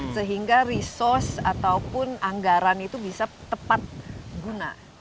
sehingga resource ataupun anggaran itu bisa tepat guna